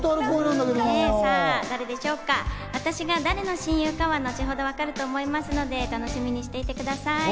私が誰の親友かは後ほど分かると思いますので、楽しみにしていてください。